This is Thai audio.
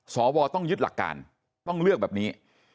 สวต้องยึดหลักการต้องเลือกแบบนี้